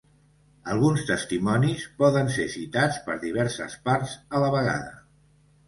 Alguns testimonis poden ser citats per diverses parts a la vegada.